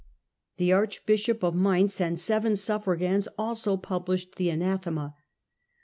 The archbishop of Mainz and seven suffragans also published the anathema.